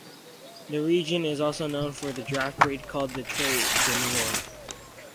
The region is also known for the draft breed called the trait du Nord.